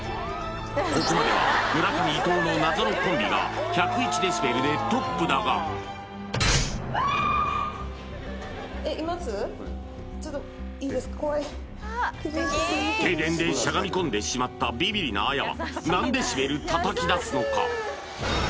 ここまでは村上・伊藤の謎のコンビが１０１デシベルでトップだが怖い停電でしゃがみ込んでしまったビビりなＡＹＡは何デシベルたたき出すのか？